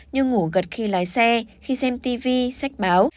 như ngủ gật khi lái xe khi xem tv sách báo